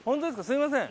すみません。